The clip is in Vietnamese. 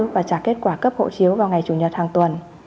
và trả kết quả cấp hộ chiếu vào ngày chủ nhật hàng tuần